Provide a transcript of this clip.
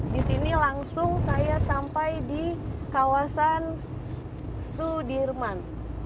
di sini langsung saya sampai di kawasan sudirman